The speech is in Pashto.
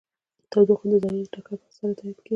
تودوخه د ذرو د ټکر په اثر هدایت کیږي.